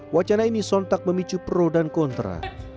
wacana ini sontak memicu pro dan kontra